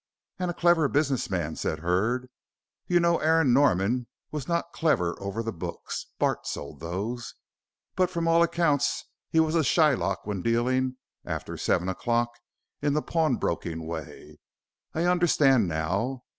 "And a clever business man," said Hurd. "You know Aaron Norman was not clever over the books. Bart sold those, but from all accounts he was a Shylock when dealing, after seven o'clock, in the pawnbroking way. I understand now.